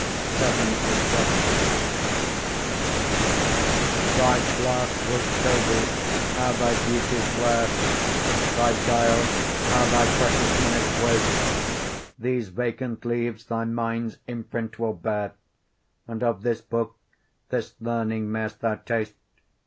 LXXVII Thy glass will show thee how thy beauties wear, Thy dial how thy precious minutes waste; These vacant leaves thy mind's imprint will bear, And of this book, this learning mayst thou taste.